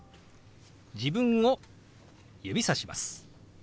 自分を指さします。